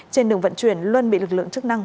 trên đường vận chuyển luôn bị lực lượng chức năng